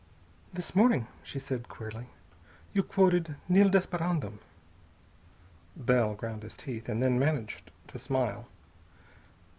"This morning," she said queerly, "you you quoted 'Nil desperandum.'" Bell ground his teeth, and then managed to smile.